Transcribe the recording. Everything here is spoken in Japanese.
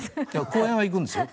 公園は行くんですよ。